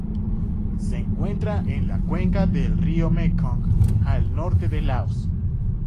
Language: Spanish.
Se encuentra en la cuenca del río Mekong al norte de Laos.